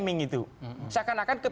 dengan keb laut tengah